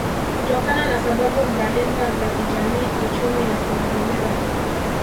kutokana na sababu mbalimba za kijamii kiuchumi na kimazingira